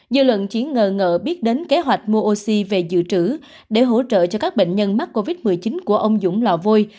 dư luận chiến ngờ ngợ biết đến kế hoạch mua oxy về dự trữ để hỗ trợ cho các bệnh nhân mắc covid một mươi chín của ông dũng lò vôi